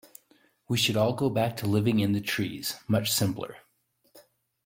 We should all go back to living in the trees, much simpler.